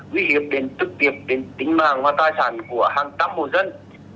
nguy hiểm đến tức tiệp đến tính màng hoa tài sản của hàng tăm hồ dân